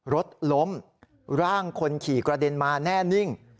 รถล้มร่างคนขี่กระเด็นมาแน่นิ่ง